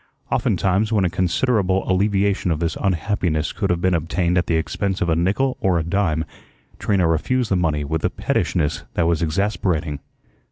Oftentimes when a considerable alleviation of this unhappiness could have been obtained at the expense of a nickel or a dime, Trina refused the money with a pettishness that was exasperating.